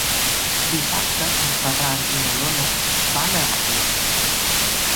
Dissabte en Ferran i na Lola van a Avià.